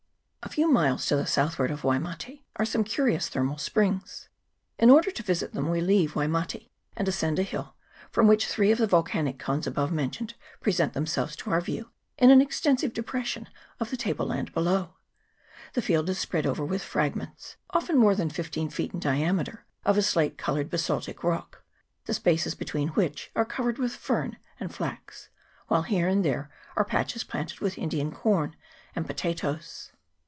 A few miles to the southward of Waimate are CHAP. XVII.] MINERAL SPRINGS. 245 some curious thermal springs. In order to visit them we leave Waimate, and ascend a hill, from which three of the volcanic cones above mentioned present themselves to our view, in an extensive depression of the table land below. The field is spead over with fragments, often more than fifteen feet in diameter, of a slate coloured basaltic rock, the spaces between which are covered with fern and flax ; while here and there are patches planted with Indian corn and potatoes.